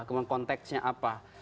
kemudian konteksnya apa